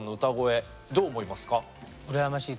羨ましい。